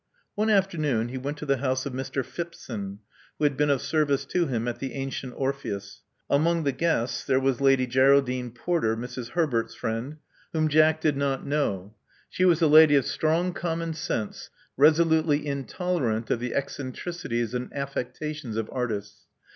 One afternoon he went to the house of Mr. Phipson, who had been of service to him at the Antient. Orpheus. Among the guests there was Lady Geral dine Porter, Mrs. Herbert's friend, whom Jack did not 228 Love Among the Artists 229 know. She was a lady of strong conaimon sense, resolutely intolerant of the eccentricities and affecta tions of artists.